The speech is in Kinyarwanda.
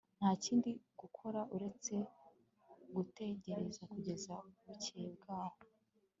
nta kindi gukora uretse gutegereza kugeza bukeye bwaho